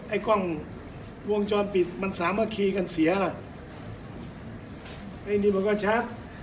ไอ้กล้องวงจรปิดมันสามัคคีกันเสียล่ะไอ้นี่มันก็ชัก